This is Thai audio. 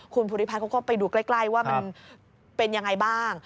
คุณภูริพัฒน์เขาก็ไปดูใกล้ว่ามันเป็นยังไงบ้าง